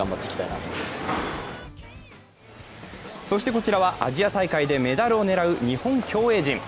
こちらはアジア大会でメダルをねらう日本競泳陣。